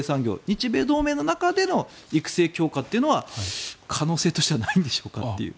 日米同盟の中での育成強化というのは可能性としてはないんでしょうかという。